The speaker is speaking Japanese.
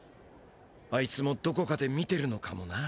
あいつもどこかで見てるのかもな。